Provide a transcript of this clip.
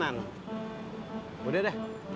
kalau jadi pesuru kayaknya kekerenan